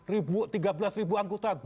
tiga belas ribu anggota